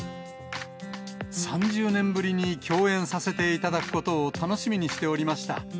３０年ぶりに共演させていただくことを楽しみにしておりました。